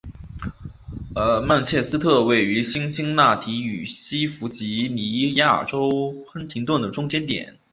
曼彻斯特位于辛辛那提与西弗吉尼亚州亨廷顿的中间点。